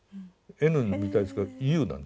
「Ｎ」みたいですけど「Ｕ」なんです。